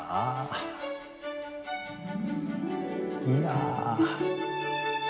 いや。